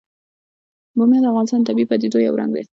بامیان د افغانستان د طبیعي پدیدو یو رنګ دی.